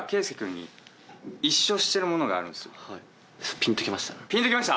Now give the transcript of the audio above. ぴんときました？